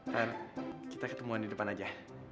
dan kita ketemuan di depan aja